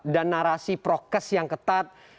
dan narasi prokes yang ketat